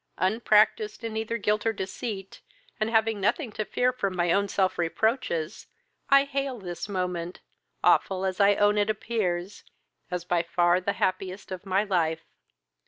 Unpractised in either guilt or deceit, and having nothing to fear from my own self reproaches, I hail this moment, awful as I own it appears, as by far the happiest of my life.